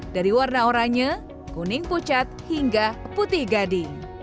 dari warna oranye kuning pucat hingga putih gading